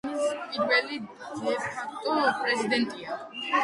არგენტინის პირველი დე-ფაქტო პრეზიდენტი.